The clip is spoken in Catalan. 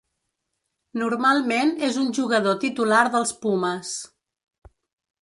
Normalment és un jugador titular dels Pumes.